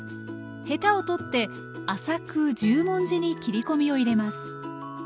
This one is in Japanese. ヘタを取って浅く十文字に切り込みを入れます。